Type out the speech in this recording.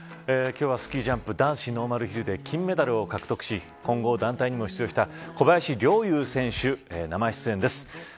今日はスキージャンプ男子ノーマルヒルで金メダルを獲得し混合団体にも出場した小林陵侑選手、生出演です。